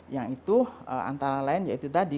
yang itu antara lain yaitu tadi